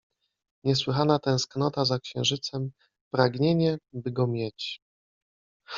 Niesłychana tęsknota za księżycem, pragnienie, by go mieć.